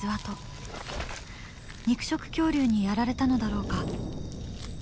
肉食恐竜にやられたのだろうか。